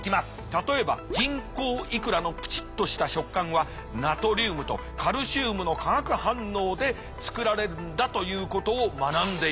例えば人工イクラのプチッとした食感はナトリウムとカルシウムの化学反応で作られるんだということを学んでいく。